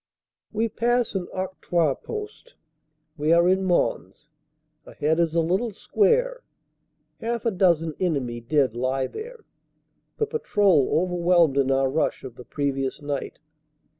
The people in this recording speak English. We pass an Octroi post we are in Mons. Ahead is a little square. Half a dozen enemy dead lie there, the patrol overwhelmed in our rush of the previous night.